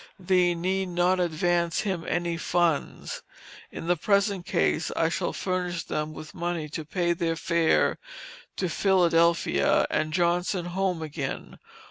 Thee need not advance him any funds. In the present case I shall furnish them with money to pay their fare to Philadelphia, and Johnson home again.